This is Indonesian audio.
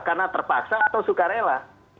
karena terpaksa atau sukarela